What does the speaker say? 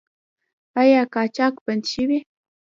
آیا قاچاق بند شوی؟